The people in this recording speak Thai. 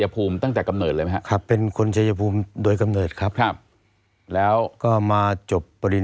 ยาท่าน้ำขาวไทยนครเพราะทุกการเดินทางของคุณจะมีแต่รอยยิ้ม